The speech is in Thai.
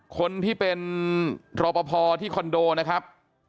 คนที่เป็นรอปภที่คอนโดนะครับ